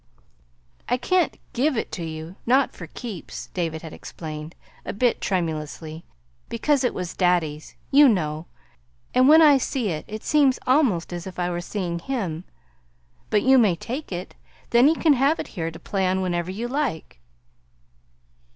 "I can't GIVE it to you not for keeps," David had explained, a bit tremulously, "because it was daddy's, you know; and when I see it, it seems almost as if I was seeing him. But you may take it. Then you can have it here to play on whenever you like."